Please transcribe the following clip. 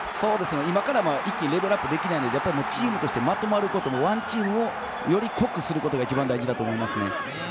今から一気にレベルアップできないので、チームとしてまとまること、ＯＮＥＴＥＡＭをより濃くすることが一番大事だと思いますね。